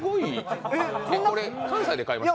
これ、関西で買いました？